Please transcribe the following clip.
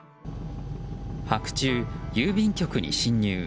白昼、郵便局に侵入。